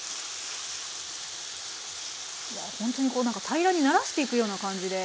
ほんとにこう何か平らにならしていくような感じで。